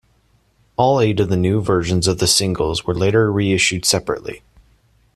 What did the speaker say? All eight of the new versions of the singles were later reissued separately.